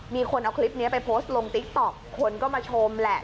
มีคนเอาคลิปนี้ไปโพสต์ลงติ๊กต๊อกคนก็มาชมแหละ